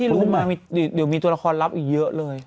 รู้มาเดี๋ยวมีตัวละครรับอีกเยอะเลย